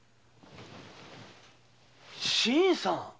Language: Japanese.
新さん？